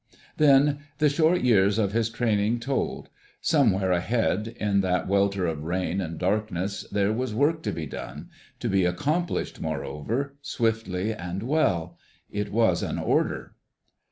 Then the short years of his training told. Somewhere ahead, in that welter of rain and darkness, there was work to be done—to be accomplished, moreover, swiftly and well. It was an order.